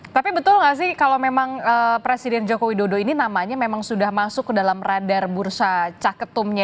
tapi betul nggak sih kalau memang presiden joko widodo ini namanya memang sudah masuk ke dalam radar bursa caketumnya